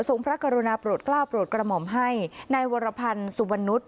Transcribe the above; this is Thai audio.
พระกรุณาโปรดกล้าวโปรดกระหม่อมให้นายวรพันธ์สุวรรณนุษย